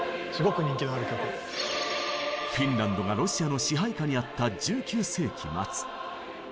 フィンランドがロシアの支配下にあった１９世紀末。